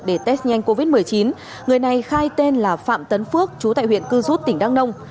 để test nhanh covid một mươi chín người này khai tên là phạm tấn phước chú tại huyện cư rút tỉnh đăng nông